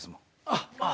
あっ！